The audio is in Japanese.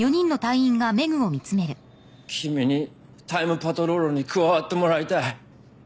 君にタイムパトロールに加わってもらいたい。